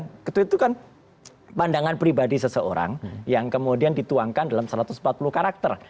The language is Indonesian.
karena ketut itu kan pandangan pribadi seseorang yang kemudian dituangkan dalam satu ratus empat puluh karakter